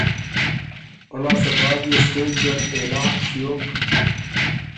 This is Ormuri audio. پۀ لاسته بعد يې سټېج زر اعلان ݭیوک